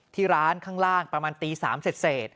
ที่ร้านข้างล่างประมาณตี๓เสร็จ